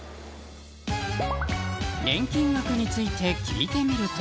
年金額について聞いてみると。